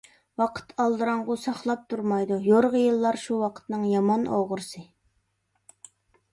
ۋاقىت ئالدىراڭغۇ ساقلاپ تۇرمايدۇ، يورغا يىللار شۇ ۋاقىتنىڭ يامان ئوغرىسى.